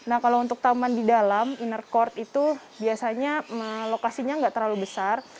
nah kalau untuk taman di dalam inner court itu biasanya lokasinya nggak terlalu besar